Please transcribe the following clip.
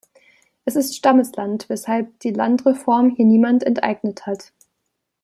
Es ist Stammesland, weshalb die Landreform hier niemanden enteignet hat.